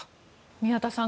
宮田さん